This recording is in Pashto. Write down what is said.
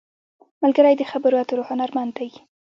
ملګری د خبرو اترو هنرمند دی